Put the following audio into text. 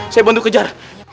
saya bantu kejar